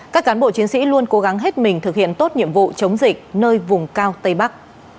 các cán bộ chiến sĩ luôn cố gắng hết mình thực hiện tốt nhiệm vụ chống dịch nơi vùng cao tây bắc